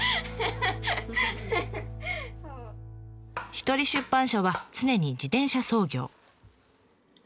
ひとり出版社は常に自転車操業。